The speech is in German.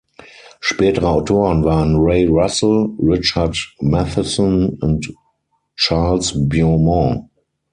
Spätere Autoren waren Ray Russell, Richard Matheson und Charles Beaumont.